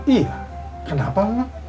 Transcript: iya kenapa paman